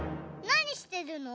なにしてるの？